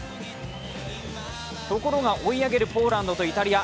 ところが追い上げるポーランドとイタリア。